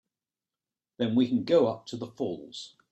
Then we can go up to the falls.